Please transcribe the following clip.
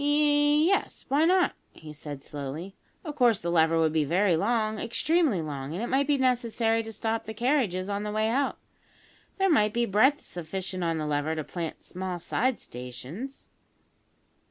"Ye yes why not?" he said slowly. "Of course, the lever would be very long, extremely long, and it might be necessary to stop the carriages on the way out. There might be breadth sufficient on the lever to plant small side stations."